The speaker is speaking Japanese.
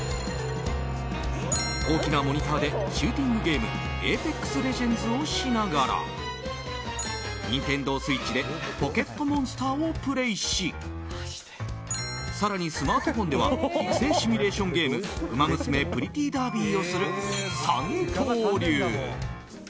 大きなモニターでシューティングゲーム「ＡｐｅｘＬｅｇｅｎｄｓ」をしながらＮｉｎｔｅｎｄｏＳｗｉｔｃｈで「ポケットモンスター」をプレイし更に、スマートフォンでは育成シミュレーションゲーム「ウマ娘プリティーダービー」をする三刀流。